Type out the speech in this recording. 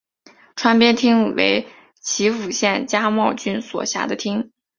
川边町为岐阜县加茂郡所辖的町。